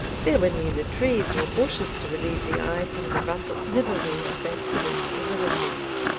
There were neither trees nor bushes to relieve the eye from the russet livery of absolute sterility.